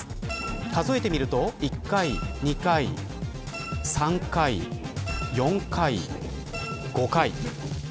数えてみると１回、２回、３回、４回、５回。